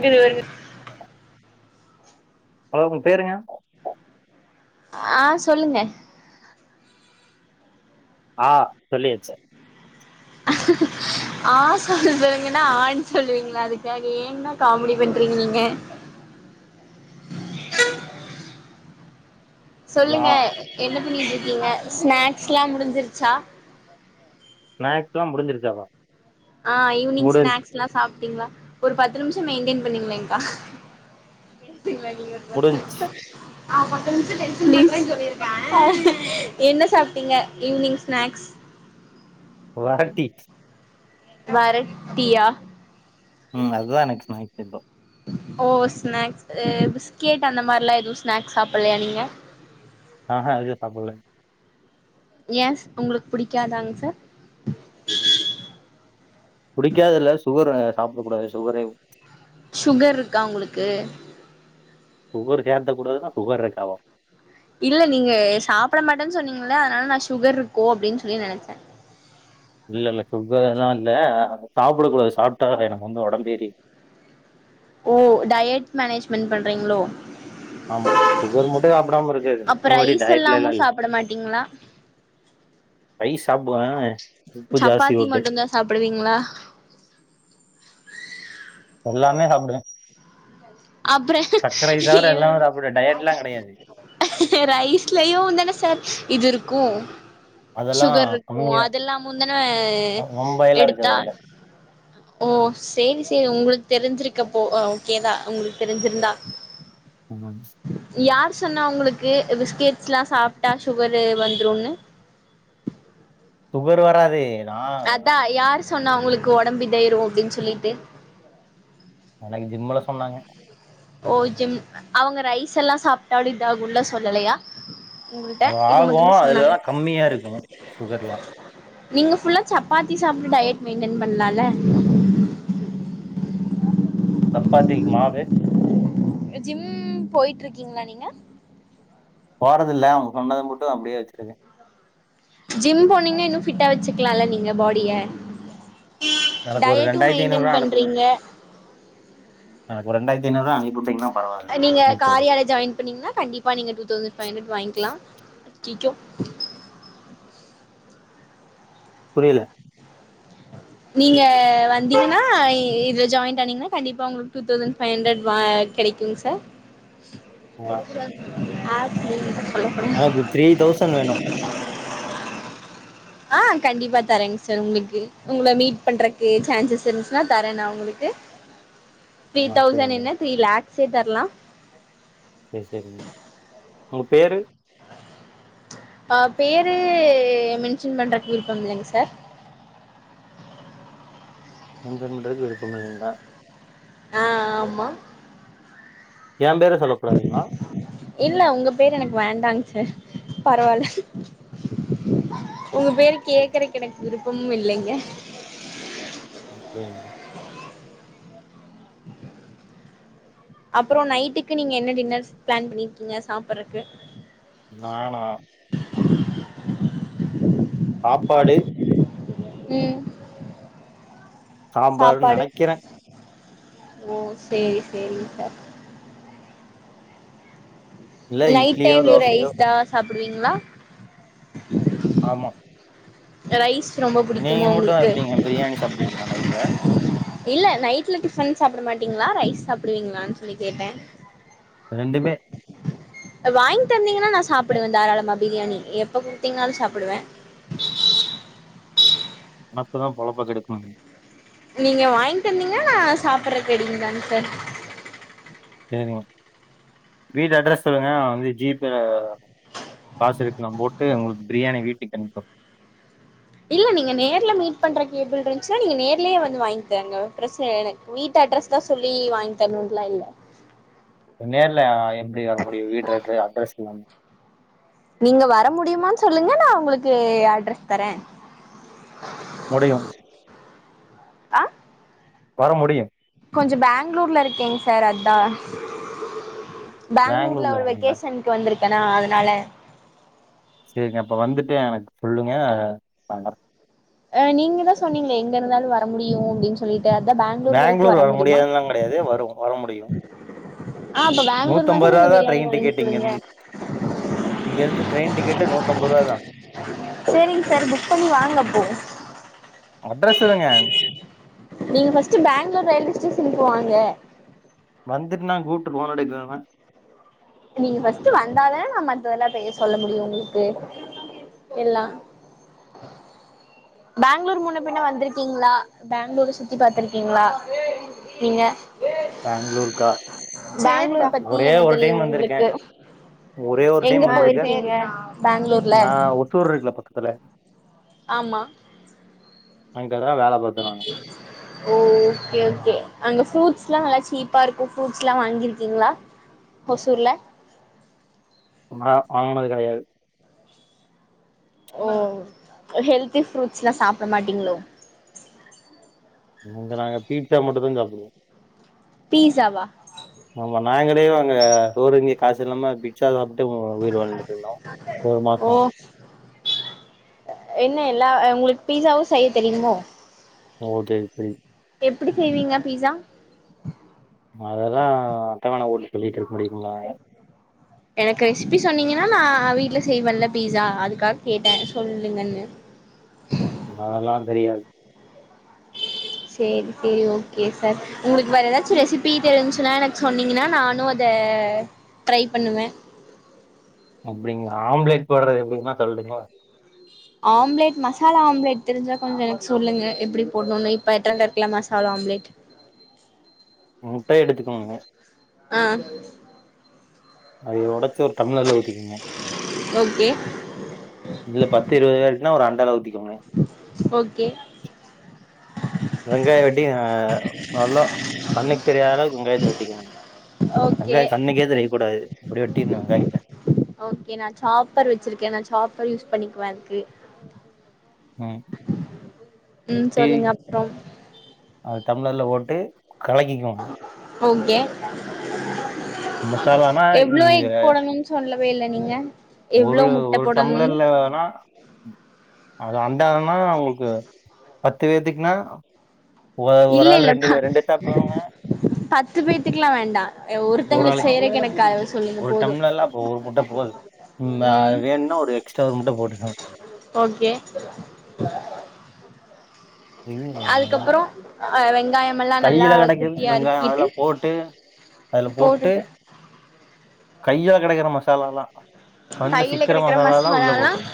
அது ஒரு ஹலோ உங்க பேருங்க ஆ சொல்லுங்க ஆ சொல்லியாச்சு ஆ சொல்லுங்கன்னா ஆன் சொல்லுவீங்களா அதுக்குகாக ஏண்ணா காமெடி பண்றீங்க நீங்க சொல்லுங்க ஆ என்ன என்ன பண்ணிடிருக்கீங்க ஸ்நாக்ஸ் எல்லா முடிஞ்சிருச்சா ஸ்நாக்ஸ்லா முடிஞ்சிருசாவா ஆ ஈவினிங் ஸ்னாஸ்ல்லா சாப் டீங்லா ஒரு பத்து நிமிஷ மெய்ன்டைன் பண்ணுங்கலேங்கா முடிஞ்ச் ஆ பத்து நிமிஷம் டென்ஷன் பண்றேனு சொல்லிருங்க ஆ என்ன சாப்ட்டீங்க ஈவினிங் ஸ்னாக்ஸ் வடட்டீ வரட்டீயா உம் அதுதா எனக்கு ஸ்நாக்ஸ்சிந்தோ ஓ ஸ்நாக்ஸ் ஏ பிஸ்கெட் அந்த மாரில்லா எதுவு ஸ்நாக்ஸ் சாப்பிடலையா நீங்க ஆஹ ஏதோ சாப்பட்ல ஏன் உங்களுக்கு புடிக்காதுங்களா சார் புடிக்காது இல்ல சுகர் அ சாப்டக் கூடாதே சுகரேகு சுகர் இருக்கா உங்களுக்கு சுகர் கேர்த்த கூடாதுன்னா சுகர் இருக்காவா இல்ல நீங்க சாப்பிட மாட்டேன்னு சொன்னீங்கில்ல அதனால நா சுகர் இருக்கோ அப்டின்னு சொல்லி நெனச்சே இல்ல இல்ல சுகர்ல்லா இல்ல அத சாப்பிடக் கூடாது சாப்ட்டா எனக்கு வந்து ஒடம்பேரிரு ஓ டயட் மேனேஜ்மென்ட் பண்றீங்களோ ஆமா சுகர் மட்டு சாப்பிடாம இருக்கறது அப்ப மித்தபடி ரைஸ் டயட்ல எல்லாமு எல்லா இல்லிங்க சாப்ட மாட்டீங்களா ரைஸ் சாப்டுவே உப்பு ஜாஸ்தி சப்பாத்தி போட்டு மட்டுந்தா சாப்டுவீங்களா எல்லாமே சாப்பிடுவே அப்புற எல்லாமே சாப்பிடுவேன் டயட்லாம் கிடையாது ரைஸ்லயு உந் தானே சார் இது இருக்கு கு அதெல்லாம் சுகர் இருக்கு கம்மிதான் அதெல்லாமுந் தனே ரொம்ப எல்லாம் எடுத்தா இருக்காது அதுல ஓ சேரி சேரி உங்களுக்கு தெரிஞ்சிருக்கப்போ ஆ ஓகேதா உங்களுக்கு தெரிஞ்சிருந்தா உங்கன்ஸ் யார் சொன்னா உங்களுக்கு பிஸ்கெட்ஸ் எல்லா சாப்ட்டா சுகரு வந்துருன்னு சுகர் வராது நான் அதா யாரு சொன்னா உங்களுக்கு ஒடம்பு இதாயிரு அப்டின்னு சொல்லிட்டு அன்னைக்கு ஜிம்முல சொன்னாங்க ஓ ஜிம் அவுங்க ரைஸ் எல்லா சாப்ட்டாலு இதாகுல்ம்லா சொல்லலையா உங்கள்ட்ட அது இது ஆகு மட்டுந்தா சொன்னாங்க அதுலல்லா கம்மியா இருக்கு சுகர் எல்லா நீங்க புல்லா சப்பாத்தி சாப்ட்டு டயட் மெயின்டன் பண்லால்ல தப்பாத்திக்கு மாவு ஜிம் போய்ட்டிருகீங்களா நீங்க போறதில்ல அவுங்க சொன்னத மட்டு அப்படியே வெச்சிருக்க ஜிம் போனிங்ன்னா இன்னு ஃபிட்டா வச்சிக்கலால்ல நீங்க பாடிய எனக்கு ஒரு டயட்டு ரெண்டாயிரத்தி மெயின்டென் ஐநூறுருவா அனுப்புங்க பண்றீங்க எனக்கு ஒரு ரெண்டாயி த்தி ஐநூறுருவா அனுப்பியூட்டிங்னா அது நீங்க கார்யால ஜாயின் பண்ணீங்கன்னா கண்டிப்பா நீங்க டூ தௌசண்ட் பைவ் ஹண்ரட் வாங்கிக்கலா கிகோ புரில நீங்க வந்தீங்கன்னா இ இதுல ஜாயின்ட் ஆணிங்கன்னா கண்டிப்பா உங்களுக்கு டூ தௌசண்ட் பைவ் ஹண்ட்ரட் வா கெடைக்குங் சார் ஆ, சொல்லக்கூடாது ஆ [unintelligible] எனக்கு த்ரீ தௌசண் வேணு ஆ கண்டிப்பா தரங் சார் உங்ளுக்கு உங்கள மீட் பண்றக்கு சான்சஸ் இருந்ச்சுன்னா தரே நா உங்களுக்கு த்ரீ ஆ, சரி தௌசண்ட் என்ன த்ரீ லேக் சே தரலா சேர் சேரிங் உங்க பேரு அ பேரு மென் ஷன் பண்றக்கு விருப்பம் இல்லைங்க சார் மென்ஷன் பண்றக்கு விருப்பமில்லைங்ளா ஆ ஆமா எம் பேரு சொல்ல கூடாதுங்ளா பரவால உங்க பேரு கேக்கறக்கு எனக்கு விருப் பம் இல்லைங்க அப்டிங்க அப்புற நைட்டுக்கு நீங்க என்ன டின்னர் பிளான் பண்ணிருக்கிங்க சாப்பறக்கு நானா சாப்பாடு ம் சாம்பாருன்னு சாப்பாடு நெனைக்கிறே ஓ சேரி சேரிங் சார் இல்ல நைட் இட்லியோ டைம்லயு தோசையோ ரைஸ்தா சாப் புரிங்களா ஆமா ரரைஸ் நீங்க மட்டு எப்டீங்க பிரியாணி சாப்டிவிங்களா நைட்ல இல்ல நைட்ல டிஃபன் சாப்பிட மாட்டீங்களா ரைஸ் சாப்பிடுவீங்களான்னு சொல்லி கேட்டே ரெண்டு பேர் வாங்கி தந்திங்னா நான் சாப்புட்டு வ தாராளமாக பிரியாணி எப்ப குடுத்தீங்காலு சாப்பிடுவே நெனப்புதா பொழப்பா கெடுக்கு நீங்க வாங்கி தந்தீங்க நா சாப்படுற ங்க தான சார் செரிங்க வீட்டு அட்ரஸ் சொல்லுங்க வந்து ஜிபே காசு எடுக்கலா போட்டு உங்களுக்கு பிரியாணி வீட்டுக்கு அனுப்ப இல்ல நீங்க நேர்ல மீட் பண்ற கேபிள் இருந்துச்சுன்னா நீங்க நேர்லயே வந்து வாங்கி தரங்க பிரச்சன எனக்கு வீட்டு் அட்ரஸ் தா சொல்லி வாங்கி தரணுலா இல்ல நேர்லய எப்டி வர முடியு வீட்டு எ அட்ரஸ்ல்ல நீங்க வர முடியுமனு சொல்லுங்க நா உங்களுக்கு அட்ரஸ் தர முடியும் ஆஹ் வர முடியு கொஞ்சம் பேங்களூரில இருக்கேங் சார் அதான் பெங்களூர்ல பேங்ளூர்ல ஒரு இருக்கீங்களா வெக்கேஷனுக்கு வந்துருக் ஏன்னா அதனால செரிங்க அப்ப வந்துட்டு எனக்கு சொல்லுங்க வ ஆஹ் நீங்க தா சொன்னீங்க எங்க இருந்தாலு வர முடியு அப்டின்னு சொல்லிட்டு அதா பேங்ளூர் வரைக்கு பெங்களூர் வர முடியுமா முடியாதுனுல்லா கிடையாது வரும் வர முடியு ஆஹ் அப்ப பெங்களூர் மந்து நூத்தம்பது ரூவா நீங்க தா பிரியாணி ட்ரெயின் டிக்கெட் இங்க வாங்கங்கடுங்க இருந்து இங்க இருந்து ட்ரெயின் டிக்கெட்டு நூத்தம்பது ரூவா தா செரிங் சார் புக் பண்ணி வாங்கப்போ அட்ரஸ் தங்க நீங்க ர்ஸ்ட் பெங்களூர் ரயில்வே ஸ்டேஷனுக்கு வாங்க வந்துருனாங்க கூட்டுரு ஓன் எடுக்கலனா நீங்க பஸ்ட் வந்தானே நம் மத்தவல்லா செய சொல்ல முடியு உங்களுக்கு எல்லா பேங்களூர் முன்ன பின்ன வந்திருக்கீங்களா பெங்களூர் சுத்தி பாத்துருக்கீங்களா நீங்க பெங்களூருக்கா பேங்ளூர் பத்தி ஒரே என்ன ஒரு தெரியு ட்டைம் வந்திருக்கே உங்களுக்கு ஒரே ஒரு எங்க டைம் வந்திருக்கே போயிருக்கீங்க பெங்களூர்ல நா ஒத்தூர் இருக்கல பக்கத்துல ஆமா ங்க தா வேல பாத்தனானு ஓ ஓகே ஓகே அங்க ஃப்ரூட்ஸ் எல்லா நல்லா சீப்பா இருக்கு ஃரூட்ஸ் எல்லாம் வாங்கிருக்கீங்களா ஓசூர்ல வாங்கனது கிடையாது ஓ ஹெல்தி ஃப்ரூட்ஸ் எல்லா சாப்பிட மாட்டீங்களோ நாங்க பீட்சா மட்டு தா சாத்துடுவோ பிஸாவா ஆமா நாங்களே அங்க சோறுதிங்க காசு இல்லாம பிஸா ட்டு வீடு வாழ்ந்துட்டு இருந்தோ ஒரு ஓ மாசோம் எல்லா உங்களுக்கு பீஸாவு செய்ய தெரியுமோ ஓகே த எப்படி செய்வீங்க பீஸா அதெல்லாம் தவானா போட்டு சொல்லிட்டு இருக்க முடியுங்களா எனக்கு ரெசிபி சொன்னீங்கன்னா நா வீட்டு்ல செய்வேன்ல பீஸா அதுக்காக கேட்டே சொல்லுங்கன்னு அதலா தெரியாது சேரி சேரி ஓகே சார் உங்களுக்கு வேற எதாச்சு ரெசிபி தெரிஞ்சுசுன்னா எனக்கு சொன்னீங்கனா நானு அத ட்ரை பண்ணுவ அப்டிங்ளா ஆம்லேட் போடுறது எப்டினா சொல்ட்டுங்ளா ஆம்லேட் மசாலா ஆம்லேட் தெரிஞ்சா கொஞ்சோ எனக்கு சொல்லுங்க எப்டி போடணுனு இப்ப ட்ரெண்ட்ல இருக்கல மசாலா ஆம்லேட் முட்டை எடுத்துக்கோங்க ஆ அதைய ஒடச்சு ஒரு டம்ளர்ல ஊத்திக்கங்க ஓகே இதுல பத்து இருவது பேரு னா ஒரு அண்டாள ஊத்திக்கோங்க ஓகே வெங்காய வெட்டி நல்லா கண்ணுக்கு தெரியாத அளவுக்கு வெங்காயத்த வெட்டிக்கோங்க ஓகே வெங்காயோ கண்ணுக்கே தெரிய கூடாது அப்டி வெட்டிர்னு வெங்காயத்த ஓகே நா சாப்பர் வச்சிருக்கே நா சாப்பர் யூஸ் பண்ணிக்குவ அதுக்கு ம் ம் வெட்டி சொல்லுங்க அப்றம் அது தம்ளர்ல போட்டு கலக்கிக்கனு ஓகே மசாலானா எவ்ளோ இங்க எக் போடணுன் சொல்ல வே இல்ல நீங்க எவ்ளோ ஒரு முட்ட ஒரு போடணுன்னு டம்ளர்ல வேனா அது அன்டானா உங்களுக்கு பத்து பேத்துக்கு நா இல்ல இல்ல ப பத்து பேத்துக்கெல்லா வேண்டா அ ஒரு ஆளு ஒருத்தங்களுக்கு செய்றக்கு எனக்கு அளவு ஒரு டம்ளர்ல அப்ப ஒரு முட்ட போது அ ம் வேணுனா ஒரு எக்ஸ்ட்ரா ஒரு முட்ட போட்டுக்கங்க ஓகே அதுக்கப்பறோ ஆ வெங் கையில கடைக்குது வெங்காயோ அதெல்லா போட்டு அதுல போட்டு போட்டுட்டு கைல கடைக்கற மசாலாலா கண்ல கையில சிக்கிற கெடைக்கிற மசாலாலா உள்ள மசாலால்லா போட்ருங்க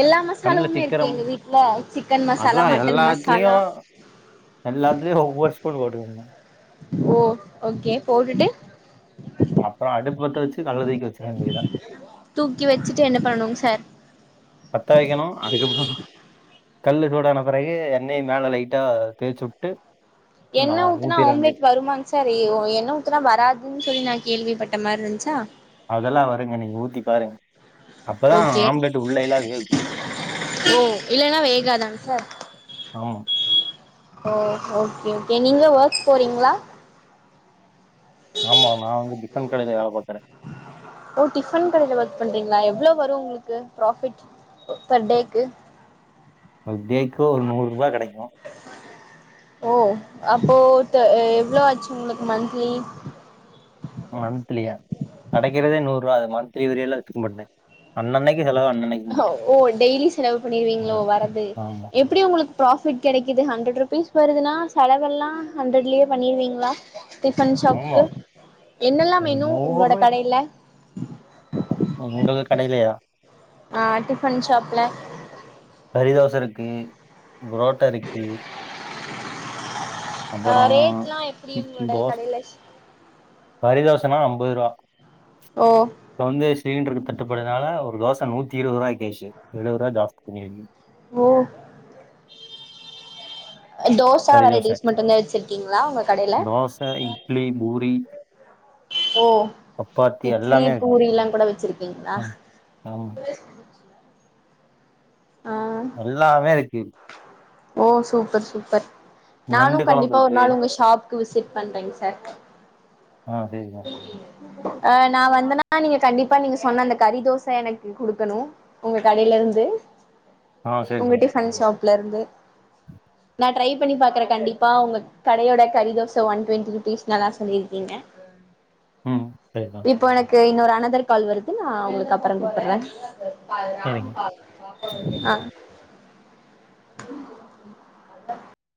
எல்லா கண்ல மசாலாவுமே சிக்கிற இருக்கே எங்க வீட்ல சிக்கன் மசாலா அதா மட்டன் மசாலா எல்லாத்துலயு ன் போட்டுக்கங்க ஓ ஓகே போட்டுட்டு அப்புறம் அடுப்பு பத்த வச்சு கள்ள தூக்கி வச்சிற வேண்டிதா தூக்கி வச்சுட்டு என்ன பண்ணணுங்க சார் பத்த வைக்கணும். அதுக்கப்புறம் கல்லு சூடான பிறகு என்னை மேல லைட்டா தேச்சு விட்டு என்ன ஊத்தனா ஆம்லெட் வருமாங் சார் என்ன ஊத்தனா வராதுன்னு சொல்லி நான் கேள்விப்பட்டேன் [unintelligible] மாரி இருந்துச்சா அதெல்லாம் வருங்க நீங்க ஊத்தி பாருங்க அப்பதான் ஆம்லெட் உள்ளயெல்லாம் வேகும். ஓ இல்லன்னா வேகாதாங் சார் ஆமா, ஓ ஓகே ஓகே நீங்க ஒர்க் போறீங்களா ஆமா நானு டிபன் கடைல வேலை பாக்கற ஓ டிஃபன் கடையில ஒர்க் பண்றீங்களா எவ்வளோ வரும் உங்களுக்கு பராபிட் பெர் டேக்கு ஒரு டேக்கு ஒரு நூறு ரூபாய் கிடைக்கும் ஓ அப்போ எவ்வளோ ஆச்சு உங்களுக்கு மந்த்லி மன்தலியா கடைக்கிறதே நூறு ரூபா அது மந்திரி வரிய எல்லாம்க்கும்ட்ட அண்ணஅன்னிக்கு ஓ டெய்லி செலவு பண்ணிருவீங்களோ ம். வரது ஆமா, எப்படி உங்களுக்கு ப்ராஃபிட் கிடைக்குது ஹண்ட்ரட் ருபீஸ் வருதுன்னா செலவெல்லாம் ஹண்ட்ரட்லயே பண்ணிருவீங்களா டிஃபன் ஆமா. ஷாக்கு என்னெல்லாம் ரூ. மெனு உங்களோட கடையில உங்களுக்கு கடைலேயா ஆஹ் டிஃபன் ஷாப்ல பொடிதோச இருக்கு புரோட்டா இருக்கு ஆ அப்பறம் ரேட்லா எப்டி உங்களோட [unintelligible] கடையில [unintelligible] ஐம்பது ரூபா ஓ இப்ப வந்து சிலிண்டருக்கு தட்டுப்படுதுனால ஒரு தோசை நூற்றி இருபது ரூபா ஆச்சு எழுபது ரூபா ஜாஸ்தி பண்ணி வங்க உ தோசா கறி தோசை வெரைட்டிஸ் மட்டும்தா வச்சிருக்கீங்களா உங்க கடையில தோசை இட்லி பூரி ஓ சப்பாத்தி இட்லி எல்லாமே இருக்கும் பூரி எல்லாம் கூட வச்சிருக்கீங்களா ம், ஆமா ஆ எல்லாமே இருக்கு ஓ சூப்பர் சூப்பர் நண்டு நானும் குழம்பு கண்டிப்பா ஒரு இருக்கு நாள் உங்க ஷாப் விசிட் பண்றேங்க சார் ஆஹ் சரித அஹ் நான் வந்தேன்னா நீங்க கண்டிப்பா நீங்க சொன்ன அந்த கரி தோசை எனக்கு குடுக்கணும் உங்க கடையில இருந்து ஆ சரிங்க உங்கிட்ட ஃபன் ஷாப் லருந்து நா டரை பண்ணி பாக்றே கண்டிப்பா உங்க கடையோட கறி தோச ஒன் ட்வென்ட்டி ருப்பீஸ்லலா சொல்லிருக்கீங்க ம் சரிக்கா இப்போ எனக் இன்னொரு அனதர் கால் வருது நா உங்களுக்கு அப்பற கூப்புட்ற சரிங்க அ